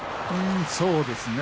そうですね。